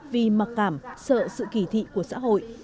vì mặc cảm sợ sự kỳ thị của xã hội